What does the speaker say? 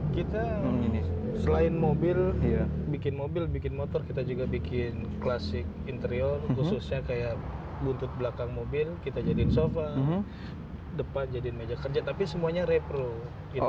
kita selain mobil bikin mobil bikin motor kita juga bikin klasik interior khususnya kayak buntut belakang mobil kita jadiin sofa depan jadiin meja kerja tapi semuanya repro gitu